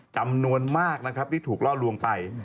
จำนวนมากนะครับที่ถูกล่อลวงไป